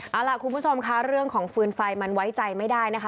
เอาล่ะคุณผู้ชมค่ะเรื่องของฟืนไฟมันไว้ใจไม่ได้นะคะ